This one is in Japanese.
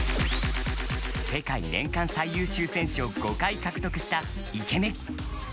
世界年間最優秀選手を５回獲得したイケメン！